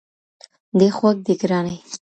دي خوږ دی ګراني!